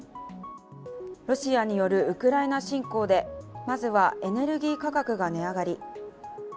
ロシアによるウクライナ侵攻でまずはエネルギー価格が値上がり。